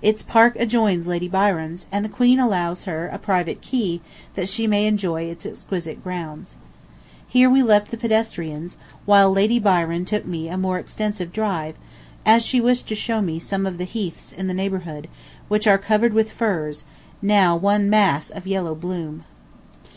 Its park adjoins Lady Byron's, and the Queen allows her a private key that she may enjoy its exquisite grounds. Here we left the pedestrians, while Lady Byron took me a more extensive drive, as she wished to show me some of the heaths in the neighborhood, which are covered with furze, now one mass of yellow bloom.